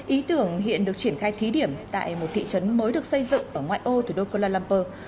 ý tưởng hiện được triển khai thí điểm tại một thị trấn mới được xây dựng ở ngoại ô thủ đô kuala lumpur